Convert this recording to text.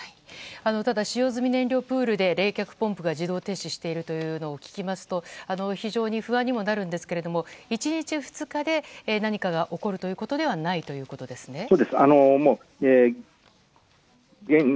ただ、使用済み燃料プールで冷却ポンプが自動停止していると聞きますと非常に不安にもなるんですけど１日、２日で何かが起こることではないということですね。